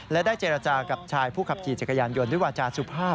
และได้เจรจากับชายผู้ขับขี่จักรยานยนต์ด้วยวาจาสุภาพ